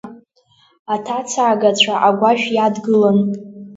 Аҭацаагацәа агәашә иадгылан.